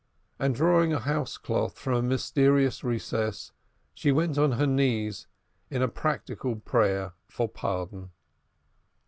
And drawing a house cloth from a mysterious recess, she went on her knees in a practical prayer for pardon.